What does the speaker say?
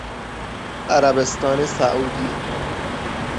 عربستان سعودی